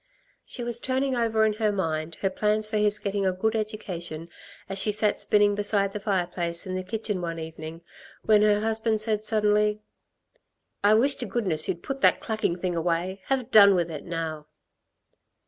She was turning over in her mind her plans for his getting a good education, as she sat spinning beside the fireplace in the kitchen one evening, when her husband said suddenly: "I wish to goodness you'd put that clacking thing away have done with it now!"